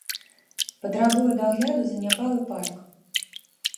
Патрабуе дагляду заняпалы парк.